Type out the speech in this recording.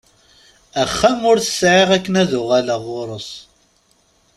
Axxam ur t-sεiɣ akken ad uɣaleɣ ɣur-s.